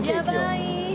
やばい。